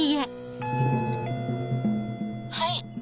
はい。